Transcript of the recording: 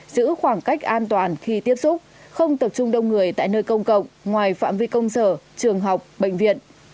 giữ khoảng cách an toàn khi tiếp xúc không tập trung đông người tại nơi công cộng ngoài phạm vi công sở trường học bệnh viện